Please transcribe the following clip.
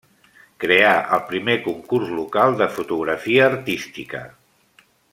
Creà el primer concurs local de fotografia artística.